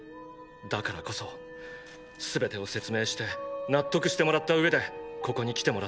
だからこそ全てを説明して納得してもらった上でここに来てもらっている。